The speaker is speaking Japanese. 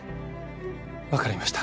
分かりました